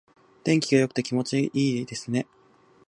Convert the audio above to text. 天気が良くて気持ちがいいですね。